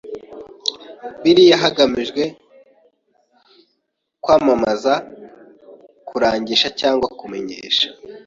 Biriya hagamijwe kwamamazakurangisha cyangwa kumenyesha.